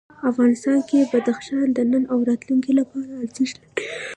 افغانستان کې بدخشان د نن او راتلونکي لپاره ارزښت لري.